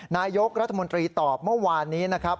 นายกรัฐมนตรีตอบเมื่อวานนี้นะครับ